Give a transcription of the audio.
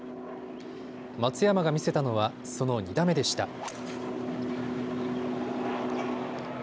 松山が見せたのはその２打目でした。